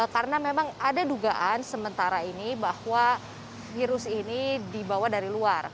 karena memang ada dugaan sementara ini bahwa virus ini dibawa dari luar